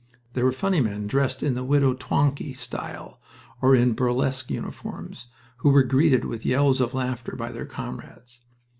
There were funny men dressed in the Widow Twankey style, or in burlesque uniforms, who were greeted with yells of laughter by their comrades.